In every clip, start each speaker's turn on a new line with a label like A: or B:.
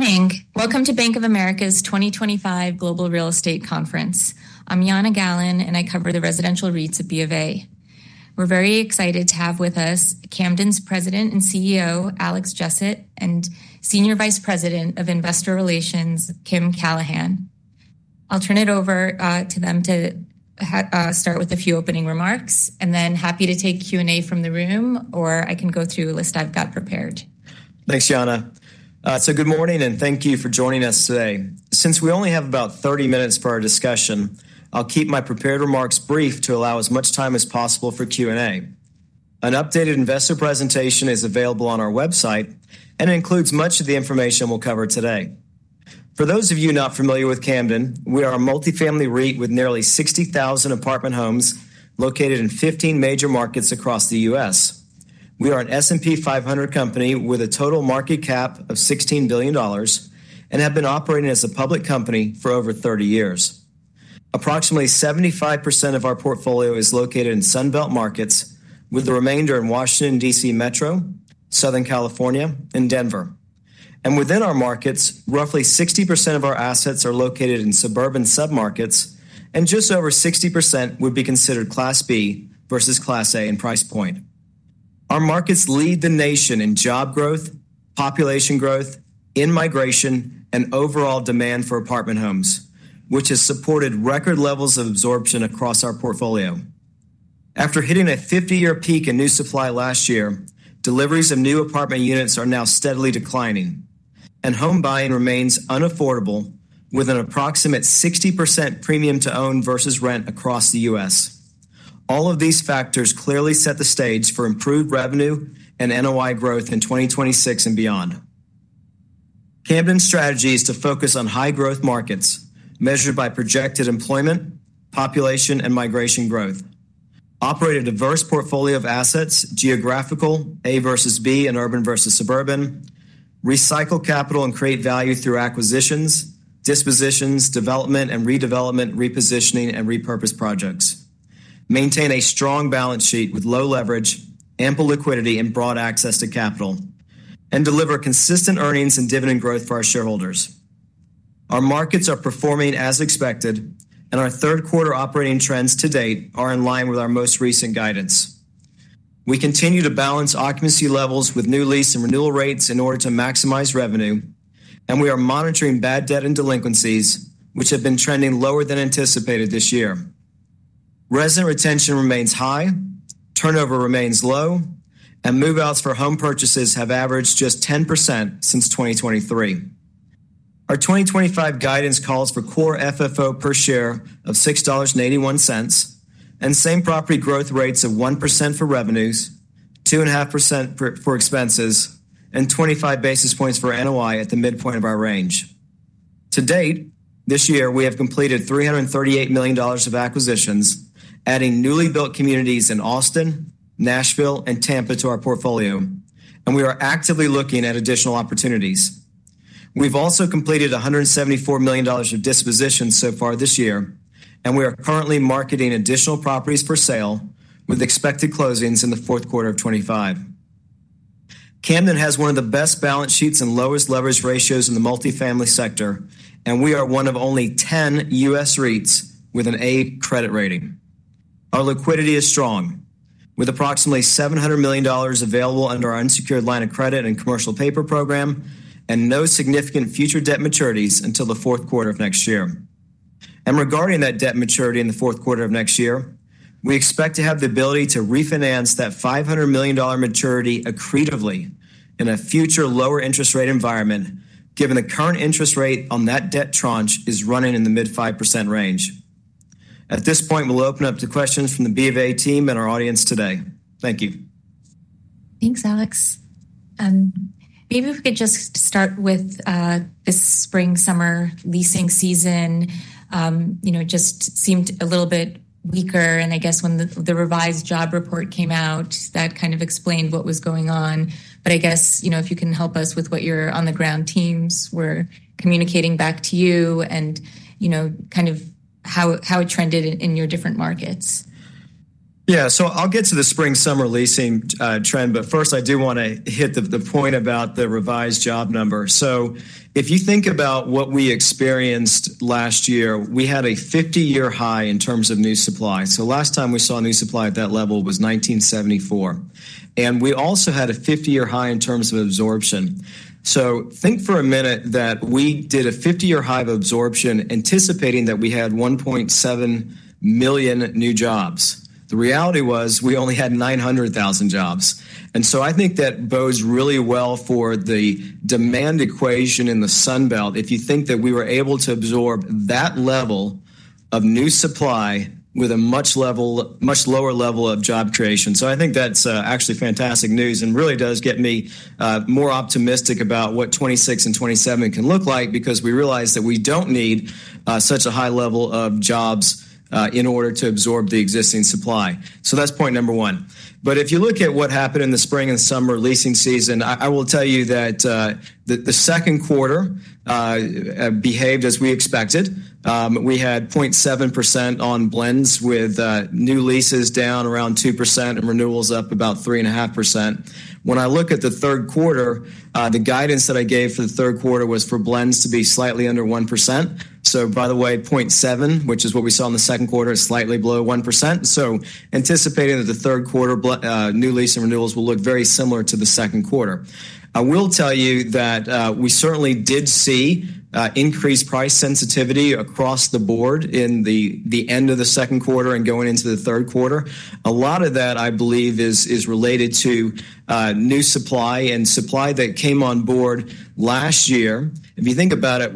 A: Good morning. Welcome to Bank of America's 2025 Global Real Estate Conference. I'm Yana Gallen, and I cover the residential REITs at BofA Securities. We're very excited to have with us Camden's President and CEO, Alex Jessett, and Senior Vice President of Investor Relations, Kim Callahan. I'll turn it over to them to start with a few opening remarks, and then happy to take Q&A from the room, or I can go through a list I've got prepared.
B: Thanks, Yana. Good morning, and thank you for joining us today. Since we only have about 30 minutes for our discussion, I'll keep my prepared remarks brief to allow as much time as possible for Q&A. An updated investor presentation is available on our website, and it includes much of the information we'll cover today. For those of you not familiar with Camden, we are a multifamily REIT with nearly 60,000 apartment homes located in 15 major markets across the U.S. We are an S&P 500 company with a total market cap of $16 billion and have been operating as a public company for over 30 years. Approximately 75% of our portfolio is located in Sun Belt markets, with the remainder in Washington, D.C. Metro, Southern California, and Denver. Within our markets, roughly 60% of our assets are located in suburban submarkets, and just over 60% would be considered Class B versus Class A in price point. Our markets lead the nation in job growth, population growth, in migration, and overall demand for apartment homes, which has supported record levels of absorption across our portfolio. After hitting a 50-year peak in new supply last year, deliveries of new apartment units are now steadily declining, and home buying remains unaffordable, with an approximate 60% premium to own versus rent across the U.S. All of these factors clearly set the stage for improved revenue and NOI growth in 2026 and beyond. Camden's strategy is to focus on high-growth markets, measured by projected employment, population, and migration growth. Operate a diverse portfolio of assets, geographical, A versus B, and urban versus suburban. Recycle capital and create value through acquisitions, dispositions, development and redevelopment, repositioning, and repurposed projects. Maintain a strong balance sheet with low leverage, ample liquidity, and broad access to capital, and deliver consistent earnings and dividend growth for our shareholders. Our markets are performing as expected, and our third-quarter operating trends to date are in line with our most recent guidance. We continue to balance occupancy levels with new lease and renewal rates in order to maximize revenue, and we are monitoring bad debt and delinquencies, which have been trending lower than anticipated this year. Resident retention remains high, turnover remains low, and move-outs for home purchases have averaged just 10% since 2023. Our 2025 guidance calls for core FFO per share of $6.81, and same-property growth rates of 1% for revenues, 2.5% for expenses, and 25 basis points for NOI at the midpoint of our range. To date, this year, we have completed $338 million of acquisitions, adding newly built communities in Austin, Nashville, and Tampa to our portfolio, and we are actively looking at additional opportunities. We've also completed $174 million of dispositions so far this year, and we are currently marketing additional properties for sale, with expected closings in the fourth quarter of 2025. Camden has one of the best balance sheets and lowest leverage ratios in the multifamily sector, and we are one of only 10 U.S. REITs with an A credit rating. Our liquidity is strong, with approximately $700 million available under our unsecured line of credit and commercial paper program, and no significant future debt maturities until the fourth quarter of next year. Regarding that debt maturity in the fourth quarter of next year, we expect to have the ability to refinance that $500 million maturity accretively, in a future lower interest rate environment, given the current interest rate on that debt tranche is running in the mid-5% range. At this point, we'll open up to questions from the BofA team and our audience today. Thank you.
A: Thanks, Alex. Maybe if we could just start with this spring-summer leasing season. It just seemed a little bit weaker, and I guess when the revised job report came out, that kind of explained what was going on. I guess if you can help us with what your on-the-ground teams were communicating back to you, and how it trended in your different markets.
B: Yeah, I'll get to the spring-summer leasing trend, but first I do want to hit the point about the revised job number. If you think about what we experienced last year, we had a 50-year high in terms of new supply. The last time we saw new supply at that level was 1974. We also had a 50-year high in terms of absorption. Think for a minute that we did a 50-year high of absorption anticipating that we had 1.7 million new jobs. The reality was we only had 900,000 jobs. I think that bodes really well for the demand equation in the Sun Belt, if you think that we were able to absorb that level of new supply with a much lower level of job creation. I think that's actually fantastic news, and it really does get me more optimistic about what 2026 and 2027 can look like, because we realize that we don't need such a high level of jobs in order to absorb the existing supply. That's point number one. If you look at what happened in the spring and summer leasing season, I will tell you that the second quarter behaved as we expected. We had 0.7% on blends, with new leases down around 2% and renewals up about 3.5%. When I look at the third quarter, the guidance that I gave for the third quarter was for blends to be slightly under 1%. By the way, 0.7%, which is what we saw in the second quarter, is slightly below 1%. Anticipating that the third quarter new lease and renewals will look very similar to the second quarter. I will tell you that we certainly did see increased price sensitivity across the board in the end of the second quarter and going into the third quarter. A lot of that, I believe, is related to new supply and supply that came on board last year. If you think about it,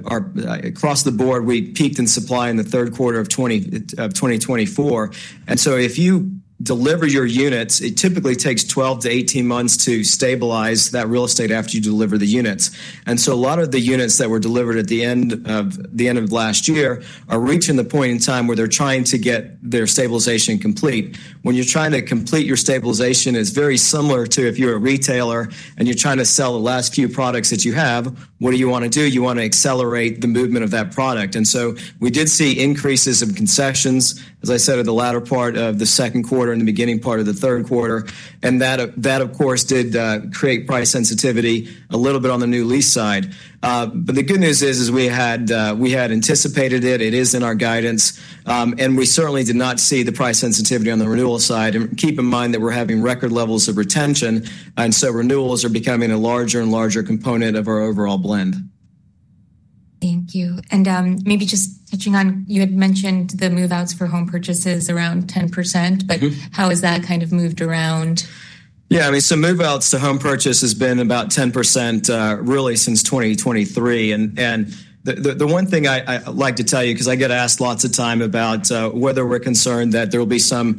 B: across the board, we peaked in supply in the third quarter of 2024. If you deliver your units, it typically takes 12 to 18 months to stabilize that real estate after you deliver the units. A lot of the units that were delivered at the end of last year are reaching the point in time where they're trying to get their stabilization complete. When you're trying to complete your stabilization, it's very similar to if you're a retailer and you're trying to sell the last few products that you have, what do you want to do? You want to accelerate the movement of that product. We did see increases in concessions, as I said, at the latter part of the second quarter and the beginning part of the third quarter. That, of course, did create price sensitivity a little bit on the new lease side. The good news is, we had anticipated it. It is in our guidance. We certainly did not see the price sensitivity on the renewal side. Keep in mind that we're having record levels of retention, so renewals are becoming a larger and larger component of our overall blend.
A: Thank you. Maybe just touching on, you had mentioned the move-outs for home purchases around 10%. How has that kind of moved around?
B: Yeah, I mean, move-outs to home purchase has been about 10% really since 2023. The one thing I like to tell you, because I get asked lots of times about whether we're concerned that there will be some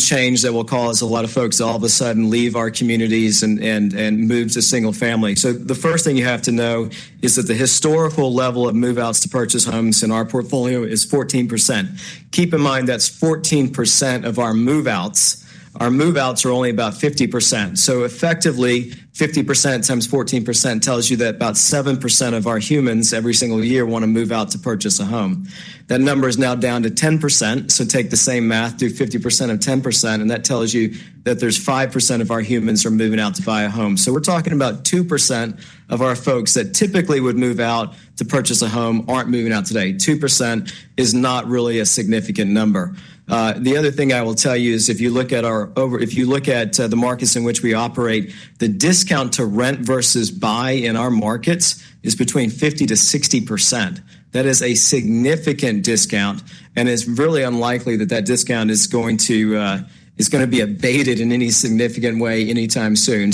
B: change that will cause a lot of folks to all of a sudden leave our communities and move to single family. The first thing you have to know is that the historical level of move-outs to purchase homes in our portfolio is 14%. Keep in mind, that's 14% of our move-outs. Our move-outs are only about 50%. Effectively, 50% times 14% tells you that about 7% of our humans every single year want to move out to purchase a home. That number is now down to 10%. Take the same math, do 50% of 10%, and that tells you that there's 5% of our humans who are moving out to buy a home. We're talking about 2% of our folks that typically would move out to purchase a home aren't moving out today. 2% is not really a significant number. The other thing I will tell you is, if you look at the markets in which we operate, the discount to rent versus buy in our markets is between 50%-60%. That is a significant discount. It's really unlikely that that discount is going to be abated in any significant way anytime soon.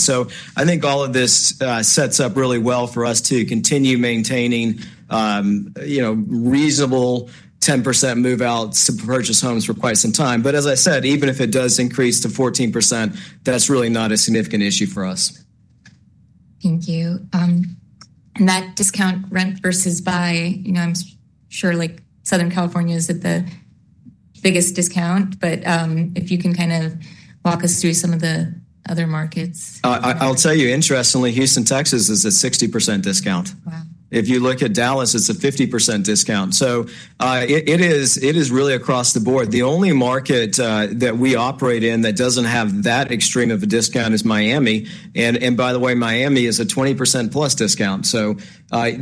B: I think all of this sets up really well for us to continue maintaining reasonable 10% move-outs to purchase homes for quite some time. As I said, even if it does increase to 14%, that's really not a significant issue for us.
A: Thank you. That discount rent versus buy, you know, I'm sure like Southern California is at the biggest discount. If you can kind of walk us through some of the other markets.
B: I'll tell you, interestingly, Houston, Texas is a 60% discount. If you look at Dallas, it's a 50% discount. It is really across the board. The only market that we operate in that doesn't have that extreme of a discount is Miami. By the way, Miami is a 20%+ discount.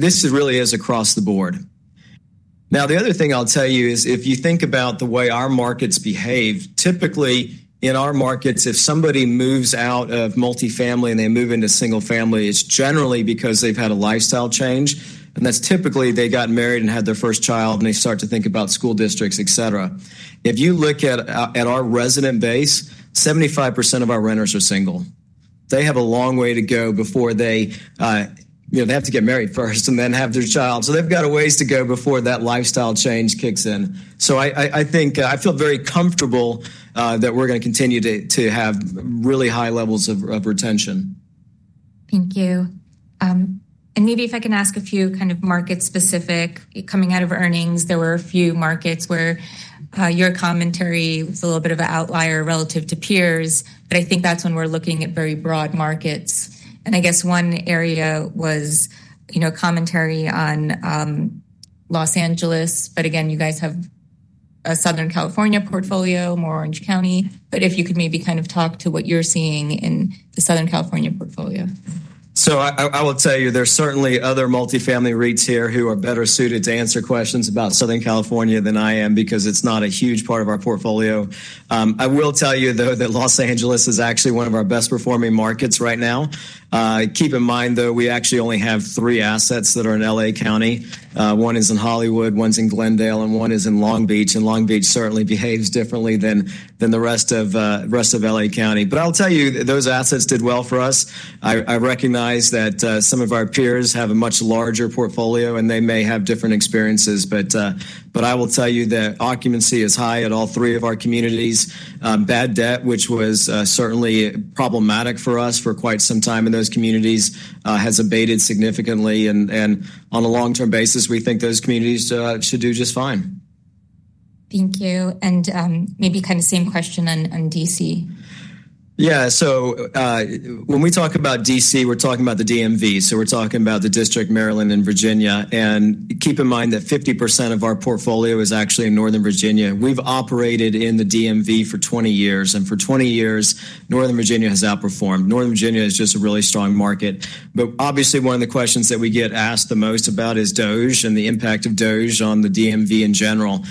B: This really is across the board. The other thing I'll tell you is, if you think about the way our markets behave, typically in our markets, if somebody moves out of multifamily and they move into single family, it's generally because they've had a lifestyle change. That's typically they got married and had their first child, and they start to think about school districts, et cetera. If you look at our resident base, 75% of our renters are single. They have a long way to go before they, you know, they have to get married first and then have their child. They've got a ways to go before that lifestyle change kicks in. I think I feel very comfortable that we're going to continue to have really high levels of retention.
A: Thank you. Maybe if I can ask a few kind of market-specific questions. Coming out of earnings, there were a few markets where your commentary was a little bit of an outlier relative to peers. I think that's when we're looking at very broad markets. I guess one area was commentary on Los Angeles. You have a Southern California portfolio, more Orange County. If you could maybe kind of talk to what you're seeing in the Southern California portfolio.
B: I will tell you, there are certainly other multifamily REITs here who are better suited to answer questions about Southern California than I am, because it's not a huge part of our portfolio. I will tell you, though, that Los Angeles is actually one of our best-performing markets right now. Keep in mind, though, we actually only have three assets that are in L.A. County. One is in Hollywood, one's in Glendale, and one is in Long Beach. Long Beach certainly behaves differently than the rest of L.A. County. I'll tell you, those assets did well for us. I recognize that some of our peers have a much larger portfolio, and they may have different experiences. I will tell you that occupancy is high at all three of our communities. Bad debt, which was certainly problematic for us for quite some time in those communities, has abated significantly. On a long-term basis, we think those communities should do just fine.
A: Thank you. Maybe kind of same question on D.C.
B: Yeah, so when we talk about D.C., we're talking about the DMV. We're talking about the District, Maryland, and Virginia. Keep in mind that 50% of our portfolio is actually in Northern Virginia. We've operated in the DMV for 20 years. For 20 years, Northern Virginia has outperformed. Northern Virginia is just a really strong market. Obviously, one of the questions that we get asked the most about is DOGE and the impact of DOGE on the DMV in general.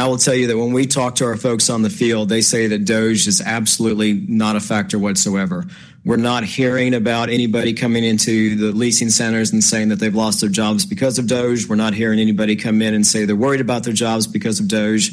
B: I will tell you that when we talk to our folks on the field, they say that DOGE is absolutely not a factor whatsoever. We're not hearing about anybody coming into the leasing centers and saying that they've lost their jobs because of DOGE. We're not hearing anybody come in and say they're worried about their jobs because of DOGE.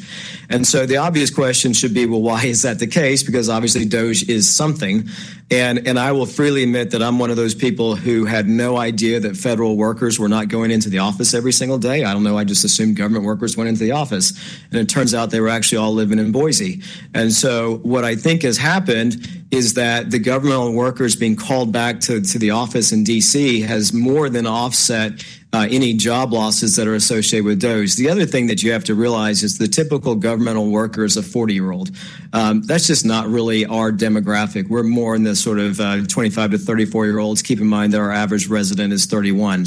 B: The obvious question should be, why is that the case? Because obviously, DOGE is something. I will freely admit that I'm one of those people who had no idea that federal workers were not going into the office every single day. I don't know, I just assumed government workers went into the office. It turns out they were actually all living in Boise. What I think has happened is that the governmental workers being called back to the office in D.C. has more than offset any job losses that are associated with DOGE. The other thing that you have to realize is the typical governmental worker is a 40-year-old. That's just not really our demographic. We're more in the sort of 25 to 34-year-olds. Keep in mind that our average resident is 31.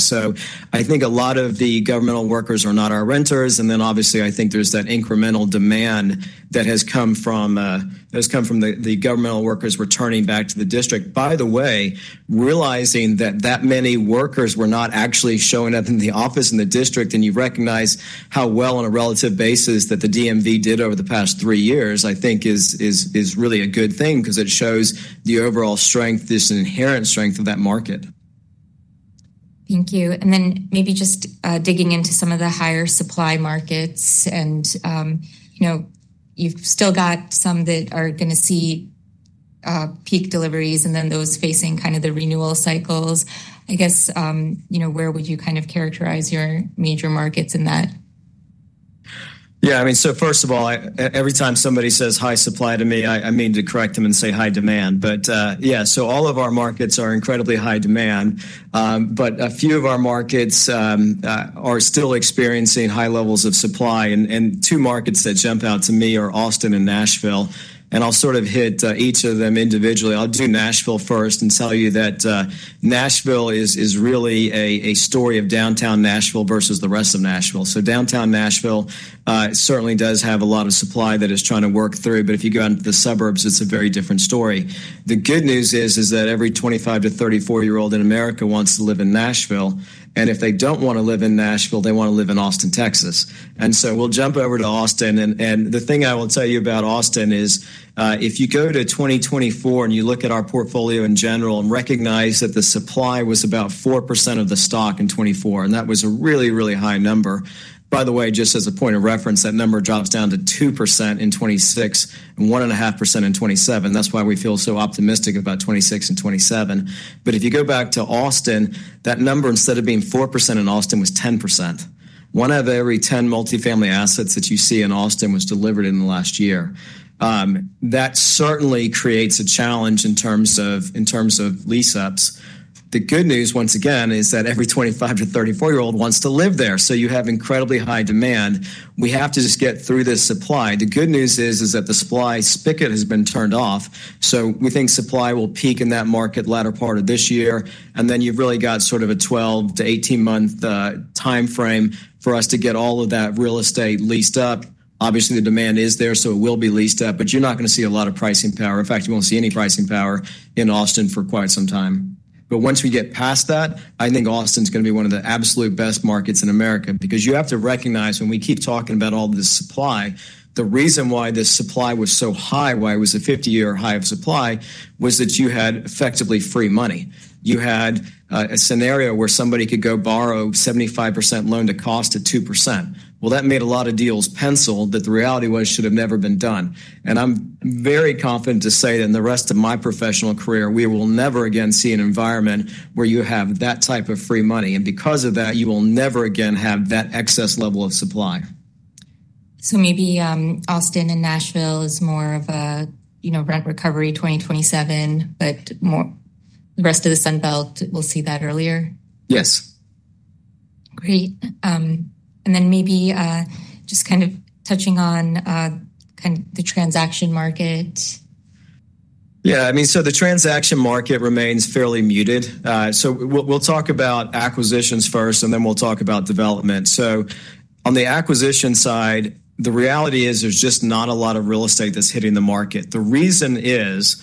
B: I think a lot of the governmental workers are not our renters. Obviously, I think there's that incremental demand that has come from the governmental workers returning back to the District. By the way, realizing that that many workers were not actually showing up in the office in the District, and you recognize how well on a relative basis that the DMV did over the past three years, I think is really a good thing, because it shows the overall strength, this inherent strength of that market.
A: Thank you. Maybe just digging into some of the higher supply markets, you've still got some that are going to see peak deliveries and then those facing kind of the renewal cycles. I guess, you know, where would you kind of characterize your major markets in that?
B: Yeah, I mean, first of all, every time somebody says high supply to me, I mean to correct them and say high demand. All of our markets are incredibly high demand, but a few of our markets are still experiencing high levels of supply. Two markets that jump out to me are Austin and Nashville. I'll sort of hit each of them individually. I'll do Nashville first and tell you that Nashville is really a story of downtown Nashville versus the rest of Nashville. Downtown Nashville certainly does have a lot of supply that is trying to work through. If you go into the suburbs, it's a very different story. The good news is that every 25 to 34-year-old in America wants to live in Nashville, and if they don't want to live in Nashville, they want to live in Austin, Texas. We'll jump over to Austin. The thing I will tell you about Austin is, if you go to 2024 and you look at our portfolio in general and recognize that the supply was about 4% of the stock in 2024, that was a really, really high number. By the way, just as a point of reference, that number drops down to 2% in 2026 and 1.5% in 2027. That's why we feel so optimistic about 2026 and 2027. If you go back to Austin, that number, instead of being 4% in Austin, was 10%. One out of every 10 multifamily assets that you see in Austin was delivered in the last year. That certainly creates a challenge in terms of lease-ups. The good news, once again, is that every 25 to 34-year-old wants to live there, so you have incredibly high demand. We have to just get through this supply. The good news is that the supply spigot has been turned off. We think supply will peak in that market latter part of this year, and then you've really got sort of a 12 to 18-month timeframe for us to get all of that real estate leased up. Obviously, the demand is there, so it will be leased up. You're not going to see a lot of pricing power. In fact, you won't see any pricing power in Austin for quite some time. Once we get past that, I think Austin is going to be one of the absolute best markets in America, because you have to recognize when we keep talking about all this supply, the reason why this supply was so high, why it was a 50-year high of supply, was that you had effectively free money. You had a scenario where somebody could go borrow a 75% loan to cost at 2%. That made a lot of deals penciled that the reality was should have never been done. I am very confident to say that in the rest of my professional career, we will never again see an environment where you have that type of free money. Because of that, you will never again have that excess level of supply.
A: Maybe Austin and Nashville is more of a rent recovery 2027, but the rest of the Sun Belt, we'll see that earlier?
B: Yes.
A: Great. Maybe just kind of touching on the transaction market.
B: Yeah, I mean, the transaction market remains fairly muted. We'll talk about acquisitions first, and then we'll talk about development. On the acquisition side, the reality is there's just not a lot of real estate that's hitting the market. The reason is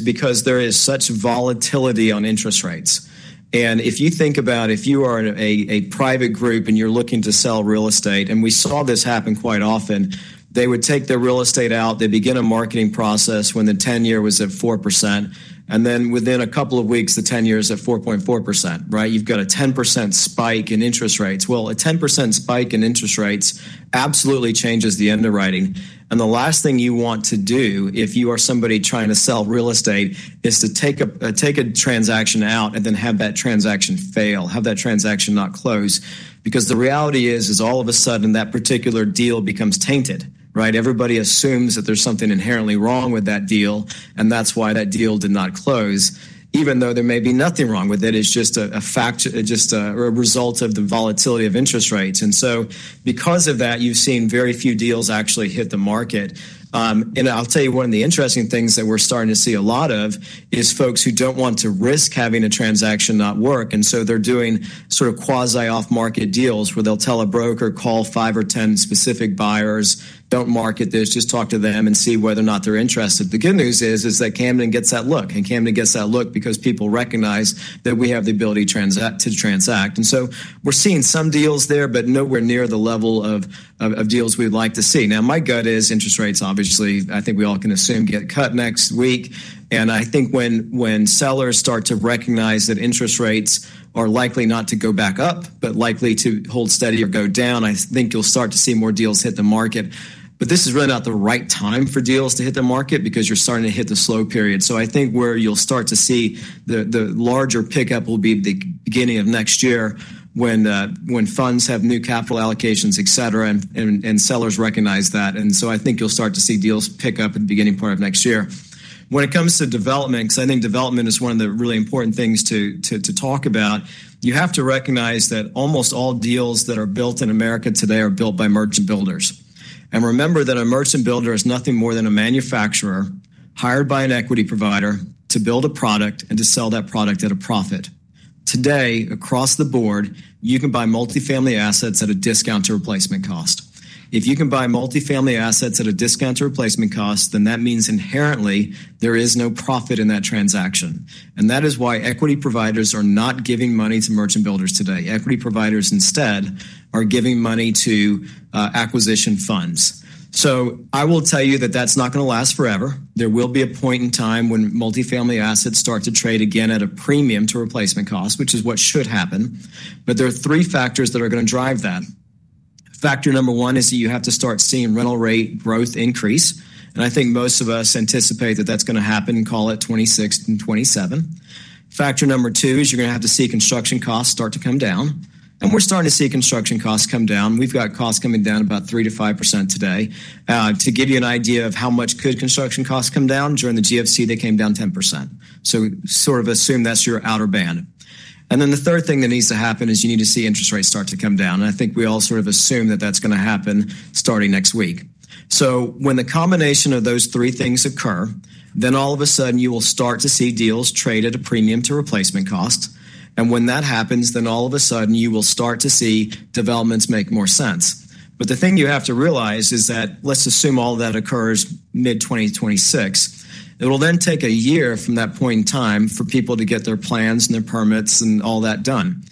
B: because there is such volatility on interest rates. If you think about it, if you are a private group and you're looking to sell real estate, and we saw this happen quite often, they would take their real estate out, they'd begin a marketing process when the 10-year was at 4%, and then within a couple of weeks, the 10-year is at 4.4%, right? You've got a 10% spike in interest rates. A 10% spike in interest rates absolutely changes the underwriting. The last thing you want to do if you are somebody trying to sell real estate is to take a transaction out and then have that transaction fail, have that transaction not close. The reality is, all of a sudden that particular deal becomes tainted, right? Everybody assumes that there's something inherently wrong with that deal, and that's why that deal did not close, even though there may be nothing wrong with it. It's just a fact, just a result of the volatility of interest rates. Because of that, you've seen very few deals actually hit the market. One of the interesting things that we're starting to see a lot of is folks who don't want to risk having a transaction not work. They're doing sort of quasi-off-market deals where they'll tell a broker, call five or 10 specific buyers, don't market this, just talk to them and see whether or not they're interested. The good news is that Camden gets that look. Camden gets that look because people recognize that we have the ability to transact. We're seeing some deals there, but nowhere near the level of deals we'd like to see. My gut is interest rates, obviously, I think we all can assume get cut next week. I think when sellers start to recognize that interest rates are likely not to go back up, but likely to hold steady or go down, I think you'll start to see more deals hit the market. This is really not the right time for deals to hit the market because you're starting to hit the slow period. I think where you'll start to see the larger pickup will be the beginning of next year when funds have new capital allocations, et cetera, and sellers recognize that. I think you'll start to see deals pick up at the beginning part of next year. When it comes to development, because I think development is one of the really important things to talk about, you have to recognize that almost all deals that are built in America today are built by merchant builders. Remember that a merchant builder is nothing more than a manufacturer hired by an equity provider to build a product and to sell that product at a profit. Today, across the board, you can buy multifamily assets at a discount to replacement cost. If you can buy multifamily assets at a discount to replacement cost, that means inherently there is no profit in that transaction. That is why equity providers are not giving money to merchant builders today. Equity providers instead are giving money to acquisition funds. I will tell you that that's not going to last forever. There will be a point in time when multifamily assets start to trade again at a premium to replacement cost, which is what should happen. There are three factors that are going to drive that. Factor number one is that you have to start seeing rental rate growth increase. I think most of us anticipate that that's going to happen, call it 2026 and 2027. Factor number two is you're going to have to see construction costs start to come down. We're starting to see construction costs come down. We've got costs coming down about 3%-5% today. To give you an idea of how much could construction costs come down, during the GFC, they came down 10%. We sort of assume that's your outer band. The third thing that needs to happen is you need to see interest rates start to come down. I think we all sort of assume that that's going to happen starting next week. When the combination of those three things occur, all of a sudden you will start to see deals trade at a premium to replacement cost. When that happens, all of a sudden you will start to see developments make more sense. The thing you have to realize is that let's assume all of that occurs mid-2026. It will then take a year from that point in time for people to get their plans and their permits and all that done.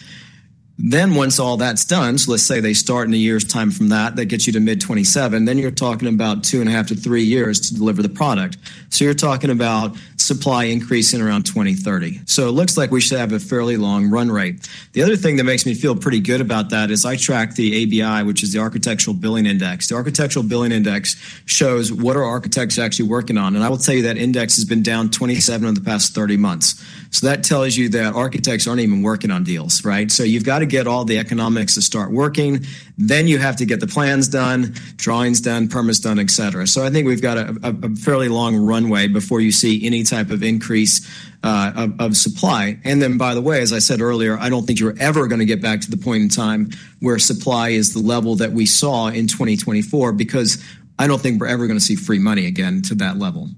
B: Once all that's done, let's say they start in a year's time from that, that gets you to mid-2027, then you're talking about two and a half to three years to deliver the product. You're talking about supply increasing around 2030. It looks like we should have a fairly long run rate. The other thing that makes me feel pretty good about that is I track the ABI, which is the Architectural Billing Index. The Architectural Billing Index shows what our architects are actually working on. I will tell you that index has been down 27 of the past 30 months. That tells you that architects aren't even working on deals, right? You have to get all the economics to start working. Then you have to get the plans done, drawings done, permits done, et cetera. I think we've got a fairly long runway before you see any type of increase of supply. By the way, as I said earlier, I don't think you're ever going to get back to the point in time where supply is the level that we saw in 2024, because I don't think we're ever going to see free money again to that level.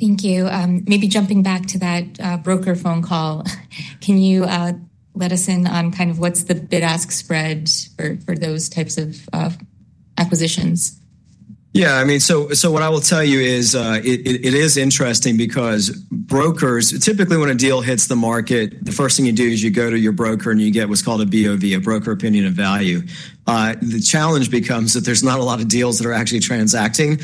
A: Thank you. Maybe jumping back to that broker phone call, can you let us in on what's the bid-ask spread for those types of acquisitions?
B: Yeah, I mean, what I will tell you is it is interesting because brokers, typically when a deal hits the market, the first thing you do is you go to your broker and you get what's called a BOV, a broker opinion of value. The challenge becomes that there's not a lot of deals that are actually transacting,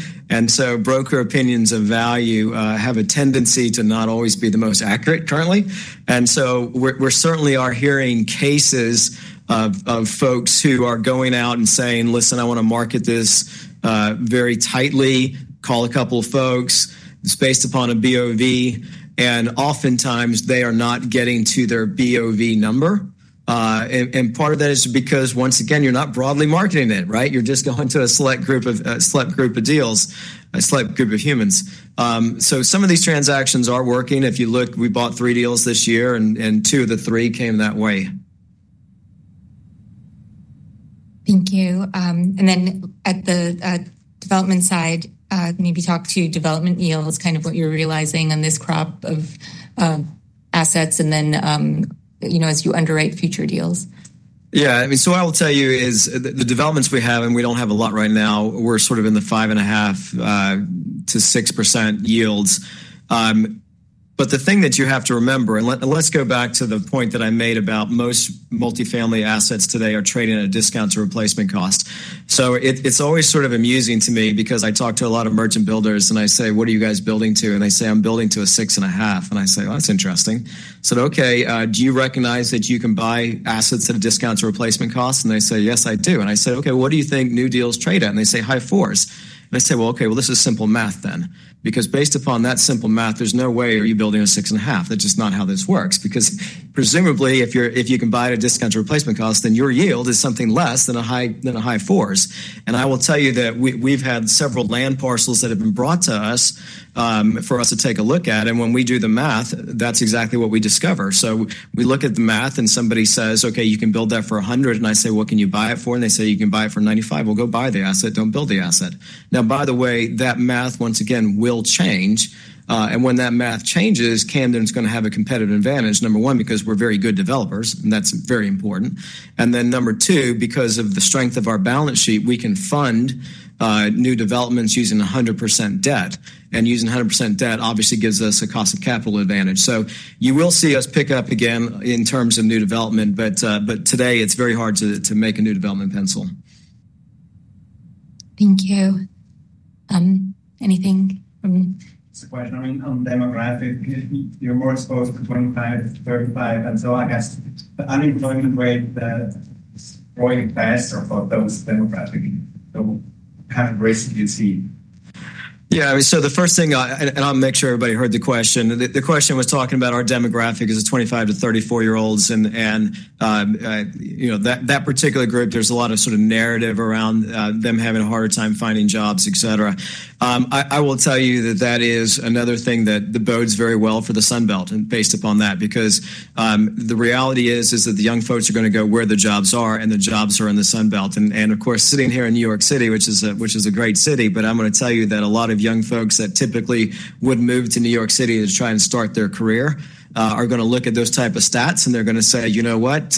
B: so broker opinions of value have a tendency to not always be the most accurate currently. We certainly are hearing cases of folks who are going out and saying, "Listen, I want to market this very tightly, call a couple of folks," it's based upon a BOV. Oftentimes, they are not getting to their BOV number. Part of that is because, once again, you're not broadly marketing it, right? You're just going to a select group of deals, a select group of humans. Some of these transactions are working. If you look, we bought three deals this year, and two of the three came that way.
A: Thank you. On the development side, maybe talk to development yields, kind of what you're realizing on this crop of assets, and as you underwrite future deals.
B: Yeah, I mean, what I will tell you is the developments we have, and we don't have a lot right now, we're sort of in the 5.5% to 6% yields. The thing that you have to remember, and let's go back to the point that I made about most multifamily assets today are trading at a discount to replacement cost. It's always sort of amusing to me because I talk to a lot of merchant builders and I say, "What are you guys building to?" They say, "I'm building to a 6.5%." I say, "That's interesting." I said, "OK, do you recognize that you can buy assets at a discount to replacement cost?" They say, "Yes, I do." I said, "OK, what do you think new deals trade at?" They say, "High 4s." I said, "OK, this is simple math then." Based upon that simple math, there's no way you're building at a 6.5%. That's just not how this works. Presumably, if you can buy at a discount to replacement cost, then your yield is something less than a high 4s. I will tell you that we've had several land parcels that have been brought to us for us to take a look at. When we do the math, that's exactly what we discover. We look at the math and somebody says, "OK, you can build that for $100." I say, "Well, can you buy it for?" They say, "You can buy it for $95." Go buy the asset, don't build the asset. By the way, that math, once again, will change. When that math changes, Camden is going to have a competitive advantage, number one, because we're very good developers, and that's very important. Number two, because of the strength of our balance sheet, we can fund new developments using 100% debt. Using 100% debt obviously gives us a cost of capital advantage. You will see us pick up again in terms of new development. Today, it's very hard to make a new development pencil.
A: Thank you. Anything from...
C: Just a question. I mean, on demographic, you're more exposed to 25, 35 until I guess unemployment rate that is growing faster for those demographics. Kind of risk you see.
B: Yeah, I mean, the first thing, and I'll make sure everybody heard the question, the question was talking about our demographic as 25 to 34-year-olds. You know, that particular group, there's a lot of sort of narrative around them having a harder time finding jobs, et cetera. I will tell you that that is another thing that bodes very well for the Sun Belt, based upon that. The reality is that the young folks are going to go where the jobs are, and the jobs are in the Sun Belt. Of course, sitting here in New York City, which is a great city, I'm going to tell you that a lot of young folks that typically would move to New York City to try and start their career are going to look at those types of stats, and they're going to say, "You know what?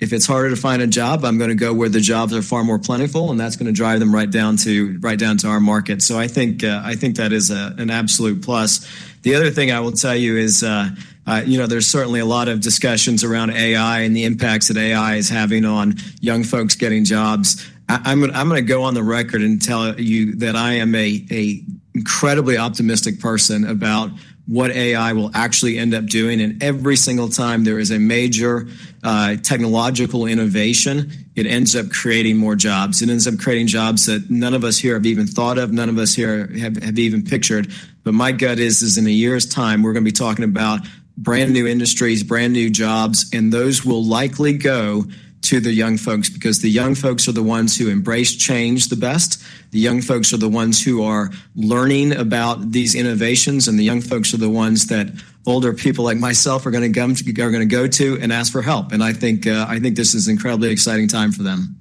B: If it's harder to find a job, I'm going to go where the jobs are far more plentiful," and that's going to drive them right down to our market. I think that is an absolute plus. The other thing I will tell you is, you know, there's certainly a lot of discussions around AI and the impacts that AI is having on young folks getting jobs. I'm going to go on the record and tell you that I am an incredibly optimistic person about what AI will actually end up doing. Every single time there is a major technological innovation, it ends up creating more jobs. It ends up creating jobs that none of us here have even thought of, none of us here have even pictured. My gut is, in a year's time, we're going to be talking about brand new industries, brand new jobs, and those will likely go to the young folks, because the young folks are the ones who embrace change the best. The young folks are the ones who are learning about these innovations, and the young folks are the ones that older people like myself are going to go to and ask for help. I think this is an incredibly exciting time for them.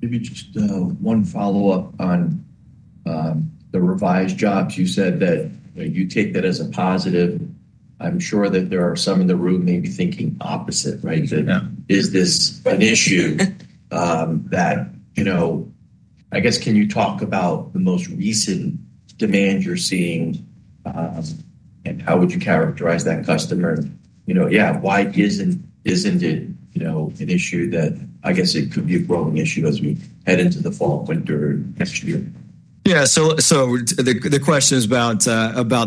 C: Maybe just one follow-up on the revised jobs. You said that you take that as a positive. I'm sure that there are some in the room maybe thinking opposite, right? Is this an issue that, you know, can you talk about the most recent demand you're seeing? How would you characterize that customer? Why isn't it an issue that it could be a growing issue as we head into the fall, winter, next year?
B: Yeah, so the question is about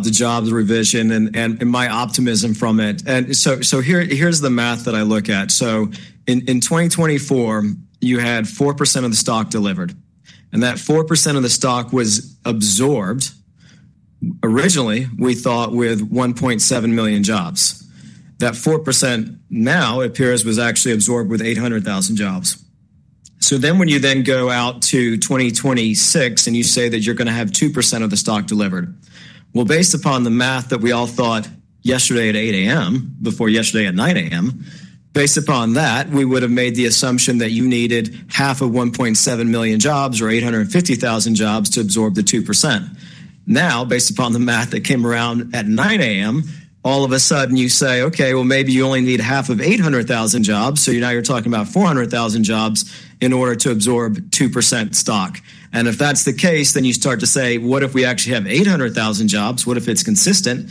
B: the jobs revision and my optimism from it. Here's the math that I look at. In 2024, you had 4% of the stock delivered. That 4% of the stock was absorbed originally, we thought, with 1.7 million jobs. That 4% now, it appears, was actually absorbed with 800,000 jobs. When you go out to 2026 and you say that you're going to have 2% of the stock delivered, based upon the math that we all thought yesterday at 8:00 A.M., before yesterday at 9:00 A.M., based upon that, we would have made the assumption that you needed half of 1.7 million jobs or 850,000 jobs to absorb the 2%. Now, based upon the math that came around at 9:00 A.M., all of a sudden you say, "OK, maybe you only need half of 800,000 jobs." Now you're talking about 400,000 jobs in order to absorb 2% stock. If that's the case, you start to say, "What if we actually have 800,000 jobs? What if it's consistent?"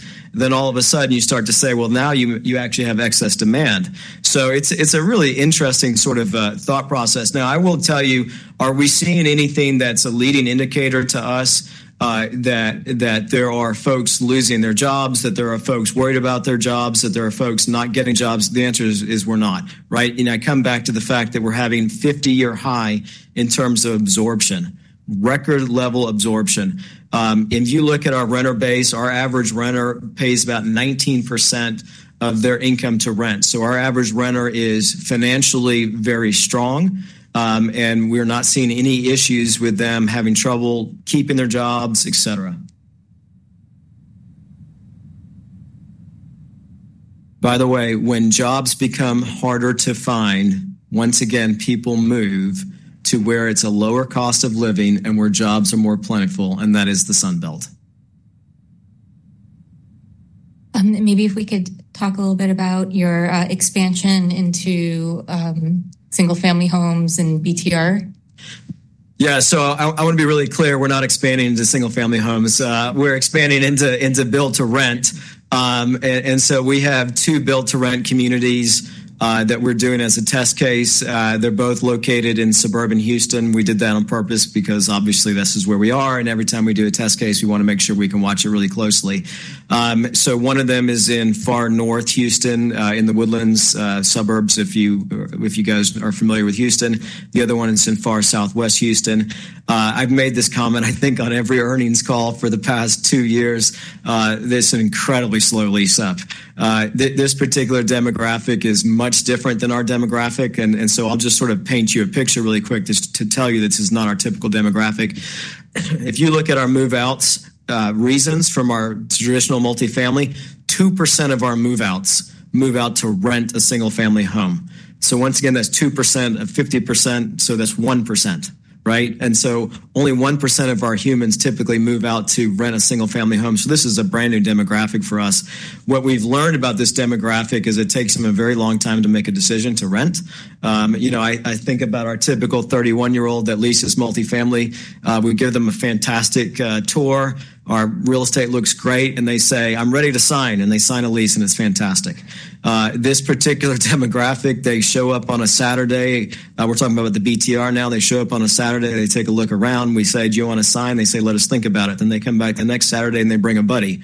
B: All of a sudden you start to say, "Now you actually have excess demand." It's a really interesting sort of thought process. I will tell you, are we seeing anything that's a leading indicator to us that there are folks losing their jobs, that there are folks worried about their jobs, that there are folks not getting jobs? The answer is we're not, right? I come back to the fact that we're having a 50-year high in terms of absorption, record level absorption. You look at our renter base, our average renter pays about 19% of their income to rent. Our average renter is financially very strong. We're not seeing any issues with them having trouble keeping their jobs, et cetera. By the way, when jobs become harder to find, once again, people move to where it's a lower cost of living and where jobs are more plentiful, and that is the Sun Belt.
A: Maybe if we could talk a little bit about your expansion into single-family homes and BTR communities.
B: Yeah, I want to be really clear, we're not expanding into single-family homes. We're expanding into build-to-rent. We have two build-to-rent communities that we're doing as a test case. They're both located in suburban Houston. We did that on purpose because obviously this is where we are. Every time we do a test case, we want to make sure we can watch it really closely. One of them is in far north Houston, in the Woodlands suburbs, if you guys are familiar with Houston. The other one is in far southwest Houston. I've made this comment, I think, on every earnings call for the past two years. There's an incredibly slow lease-up. This particular demographic is much different than our demographic. I'll just sort of paint you a picture really quick to tell you this is not our typical demographic. If you look at our move-outs reasons from our traditional multifamily, 2% of our move-outs move out to rent a single-family home. Once again, that's 2% of 50%. That's 1%, right? Only 1% of our humans typically move out to rent a single-family home. This is a brand new demographic for us. What we've learned about this demographic is it takes them a very long time to make a decision to rent. I think about our typical 31-year-old that leases multifamily. We give them a fantastic tour. Our real estate looks great. They say, "I'm ready to sign." They sign a lease, and it's fantastic. This particular demographic, they show up on a Saturday. We're talking about the BTR now. They show up on a Saturday. They take a look around. We say, "Do you want to sign?" They say, "Let us think about it." They come back the next Saturday, and they bring a buddy.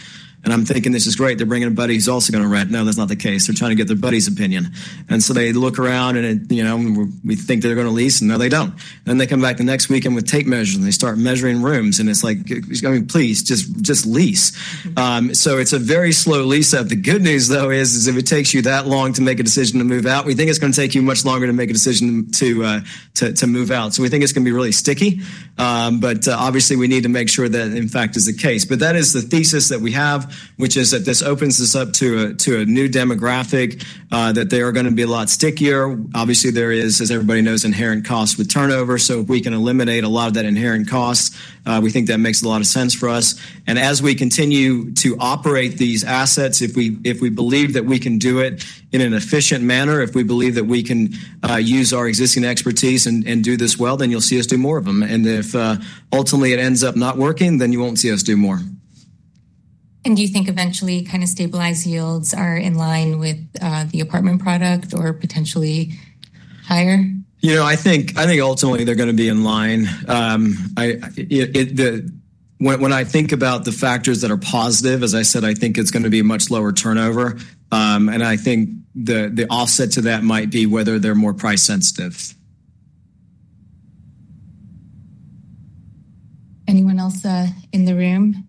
B: I'm thinking, "This is great. They're bringing a buddy who's also going to rent." No, that's not the case. They're trying to get their buddy's opinion. They look around, and we think they're going to lease, and no, they don't. They come back the next weekend with tape measures. They start measuring rooms. It's like, "God, please, just lease." It's a very slow lease-up. The good news, though, is if it takes you that long to make a decision to move out, we think it's going to take you much longer to make a decision to move out. We think it's going to be really sticky. Obviously, we need to make sure that, in fact, is the case. That is the thesis that we have, which is that this opens us up to a new demographic, that they are going to be a lot stickier. Obviously, there is, as everybody knows, inherent costs with turnover. If we can eliminate a lot of that inherent cost, we think that makes a lot of sense for us. As we continue to operate these assets, if we believe that we can do it in an efficient manner, if we believe that we can use our existing expertise and do this well, you'll see us do more of them. If ultimately it ends up not working, you won't see us do more.
A: Do you think eventually kind of stabilized yields are in line with the apartment product or potentially higher?
B: I think ultimately they're going to be in line. When I think about the factors that are positive, as I said, I think it's going to be a much lower turnover. I think the offset to that might be whether they're more price sensitive.
A: Anyone else in the room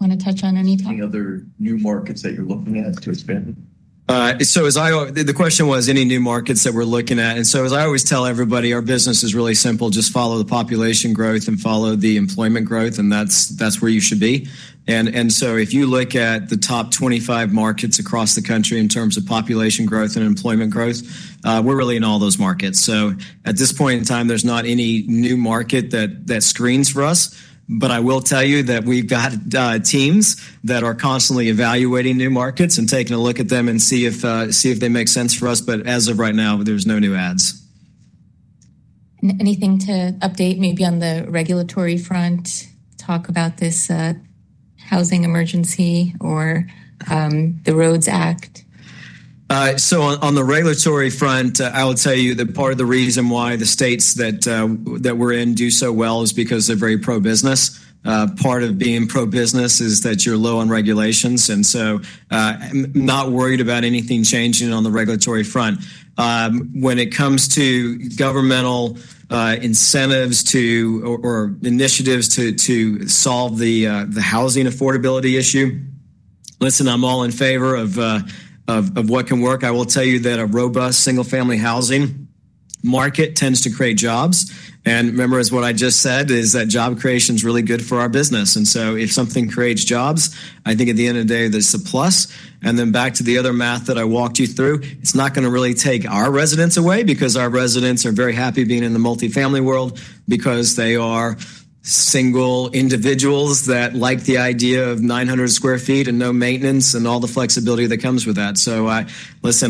A: want to touch on any topic?
D: Any other new markets that you're looking at to expand?
B: The question was any new markets that we're looking at. As I always tell everybody, our business is really simple. Just follow the population growth and follow the employment growth, and that's where you should be. If you look at the top 25 markets across the country in terms of population growth and employment growth, we're really in all those markets. At this point in time, there's not any new market that screens for us. I will tell you that we've got teams that are constantly evaluating new markets and taking a look at them to see if they make sense for us. As of right now, there's no new adds.
A: Anything to update maybe on the regulatory front? Talk about this housing emergency or the ROADS Act.
B: On the regulatory front, I will tell you that part of the reason why the states that we're in do so well is because they're very pro-business. Part of being pro-business is that you're low on regulations. I'm not worried about anything changing on the regulatory front. When it comes to governmental incentives or initiatives to solve the housing affordability issue, listen, I'm all in favor of what can work. I will tell you that a robust single-family housing market tends to create jobs. Remember, as what I just said, job creation is really good for our business. If something creates jobs, I think at the end of the day, that's a plus. Back to the other math that I walked you through, it's not going to really take our residents away because our residents are very happy being in the multifamily world because they are single individuals that like the idea of 900 sq ft and no maintenance and all the flexibility that comes with that.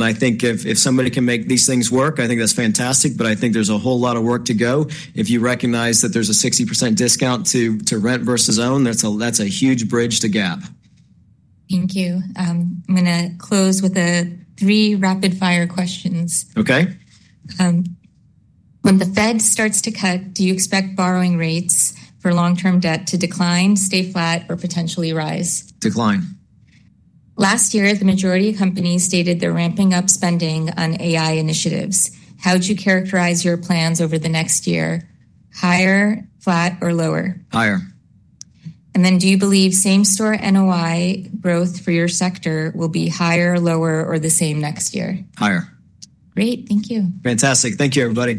B: I think if somebody can make these things work, I think that's fantastic. I think there's a whole lot of work to go. If you recognize that there's a 60% discount to rent versus own, that's a huge bridge to gap.
A: Thank you. I'm going to close with three rapid-fire questions.
B: OK.
A: When the Fed starts to cut, do you expect borrowing rates for long-term debt to decline, stay flat, or potentially rise?
B: Decline.
A: Last year, the majority of companies stated they're ramping up spending on AI initiatives. How would you characterize your plans over the next year? Higher, flat, or lower?
B: Higher.
A: Do you believe same-store NOI growth for your sector will be higher, lower, or the same next year?
B: Higher.
A: Great. Thank you.
B: Fantastic. Thank you, everybody.